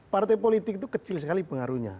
partai politik itu kecil sekali pengaruhnya